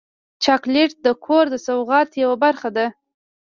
چاکلېټ د کور د سوغات یوه برخه ده.